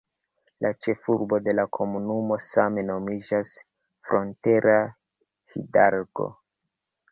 La ĉefurbo de la komunumo same nomiĝas Frontera Hidalgo.